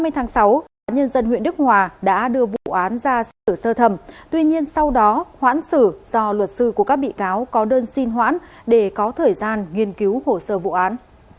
hai mươi tháng sáu tòa nhân dân huyện đức hòa đã đưa vụ án ra xử sơ thẩm tuy nhiên sau đó hoãn xử do luật sư của các bị cáo có đơn xin hoãn để có thời gian nghiên cứu hồ sơ vụ án